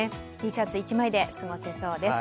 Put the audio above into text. Ｔシャツ１枚で過ごせそうです。